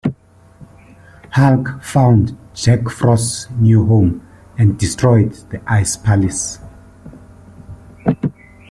Hulk found Jack Frost's new home and destroyed the ice palace.